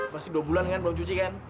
masih dua bulan kan belum cuci kan